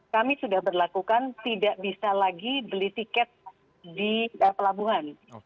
kami sudah berlakukan tidak bisa lagi beli tiket di pelabuhan